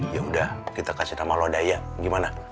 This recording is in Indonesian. ya udah kita kasih nama lo daya gimana